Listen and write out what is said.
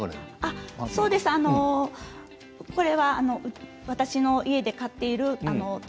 これは私の家で飼っている茶